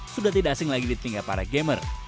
sudah tidak asing lagi di tinggalkan para gamer